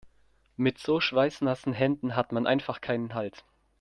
Mit so schweißnassen Händen hat man einfach keinen Halt.